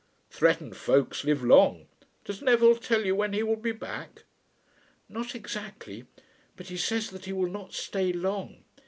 "Threatened folks live long. Does Neville tell you when he will be back?" "Not exactly; but he says that he will not stay long.